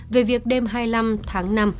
về việc đêm hai mươi năm tháng năm